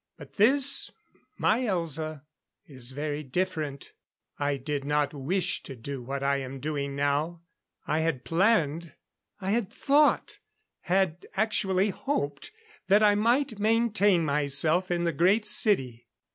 "But this, my Elza, is very different. I did not wish to do what I am doing now. I had planned I had thought, had actually hoped, that I might maintain myself in the Great City.